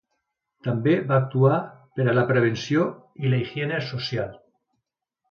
També va actuar per a la prevenció i la higiene social.